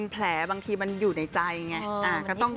แผลบางทีมันอยู่ในใจไง